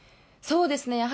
そうですね。